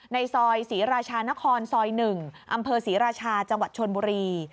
ในซอยศรีราชานครซอย๑อำเภอศรีราชาจังหวัดชนบุรี